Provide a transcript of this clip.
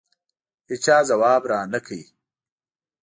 هېچا ځواب رانه کړ.